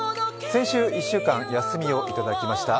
先週１週間休みをいただきました。